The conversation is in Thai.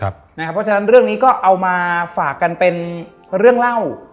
เพราะฉะนั้นเรื่องนี้ก็เอามาฝากกันเป็นเรื่องเล่า